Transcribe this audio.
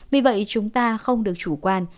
vì vậy chúng ta không được chủ quan